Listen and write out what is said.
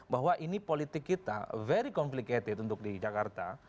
bahwa ini politik kita very complicated untuk di jakarta